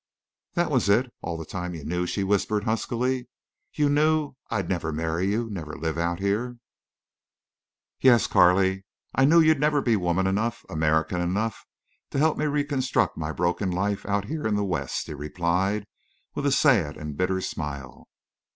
"That was it? All the time you knew," she whispered, huskily. "You knew. ... I'd never—marry you—never live out here?" "Yes, Carley, I knew you'd never be woman enough—American enough—to help me reconstruct my broken life out here in the West," he replied, with a sad and bitter smile.